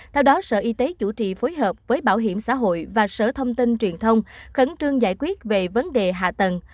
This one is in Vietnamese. theo đó sở y tế chủ trì phối hợp với bảo hiểm xã hội và sở thông tin truyền thông khẩn trương giải quyết về vấn đề hạ tầng